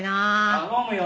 頼むよ